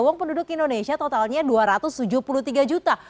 uang penduduk indonesia totalnya dua ratus tujuh puluh tiga juta